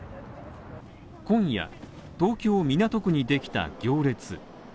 今夜、東京港区にできた行列。